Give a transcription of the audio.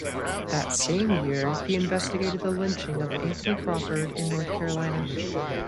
That same year he investigated the Lynching of Anthony Crawford in North Carolina.